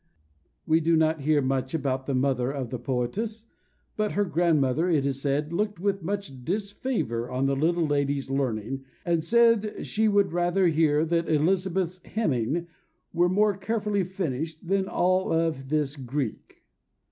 We do not hear much about the mother of the poetess, but her grandmother, it is said, looked with much disfavour on the little lady's learning, and said she would "rather hear that Elizabeth's hemming were more carefully finished than of all this Greek."